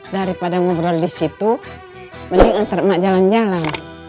daripada ngobrol disitu mending antar emak jalan jalan